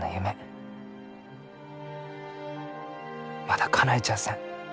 まだかなえちゃあせん。